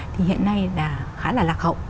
thì hiện nay là khá là lạc hậu